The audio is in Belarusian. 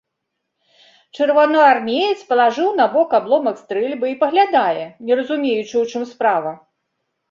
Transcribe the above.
Чырвонаармеец палажыў набок абломак стрэльбы і паглядае, не разумеючы, у чым справа.